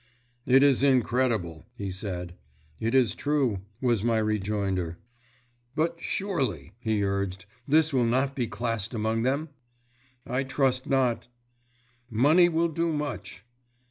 "It is incredible," he said. "It is true," was my rejoinder. "But surely," he urged, "this will not be classed among them?" "I trust not." "Money will do much."